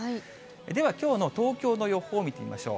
ではきょうの東京の予報を見てみましょう。